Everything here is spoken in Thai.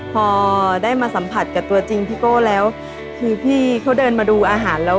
พอได้มาสัมผัสกับตัวจริงพี่โก้แล้วคือพี่เขาเดินมาดูอาหารแล้ว